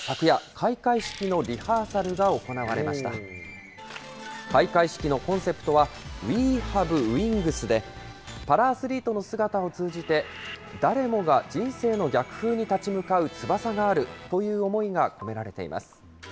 開会式のコンセプトは、ＷＥＨＡＶＥＷＩＮＧＳで、パラアスリートの姿を通じて、誰もが人生の逆風に立ち向かう翼があるという思いが込められています。